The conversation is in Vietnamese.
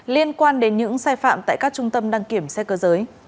liên quan đến những sai phạm tại các trung tâm đăng kiểm xe cơ giới